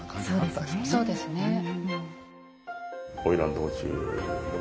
そうですね。